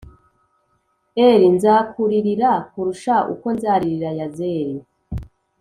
r nzakuririra kurusha uko nzaririra Yazeri